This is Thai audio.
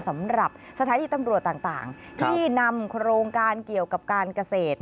สำหรับสถานีตำรวจต่างที่นำโครงการเกี่ยวกับการเกษตร